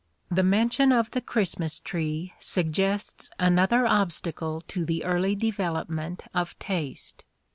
The mention of the Christmas tree suggests another obstacle to the early development of taste.